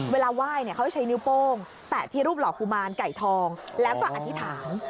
ไหว้เขาจะใช้นิ้วโป้งแตะที่รูปหล่อกุมารไก่ทองแล้วก็อธิษฐาน